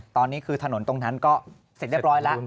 ตอนนี้คือถนนตรงนั้นก็เสร็จเรียบร้อยแล้ว